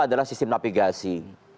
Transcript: adalah sistem navigasi